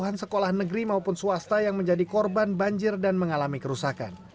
puluhan sekolah negeri maupun swasta yang menjadi korban banjir dan mengalami kerusakan